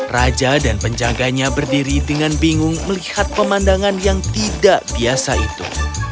raja dan penjaganya berdiri dengan bingung melihat pemandangan yang tidak biasa itu